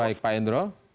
baik pak endro